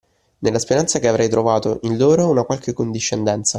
Nella speranza che avrei trovato in loro una qualche condiscendenza.